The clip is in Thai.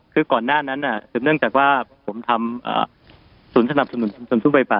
คือก่อนหน้านั้นเนื่องจากว่าผมทำสนสนับสนสู้ไฟป่า